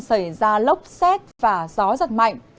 xảy ra lốc xét và gió giật mạnh